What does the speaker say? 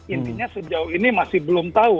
intinya sejauh ini masih belum tahu